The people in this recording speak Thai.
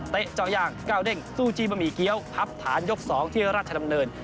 เจ้าย่างก้าวเด้งสู้จีบะหมี่เกี้ยวพับฐานยก๒ที่ราชดำเนิน